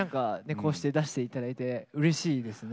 こうして出していただいてうれしいですね。